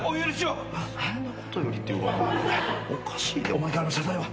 お前からも謝罪を。